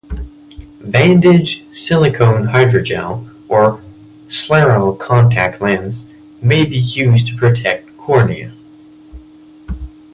Bandage silicone hydrogel or scleral contact lens may be used to protect cornea.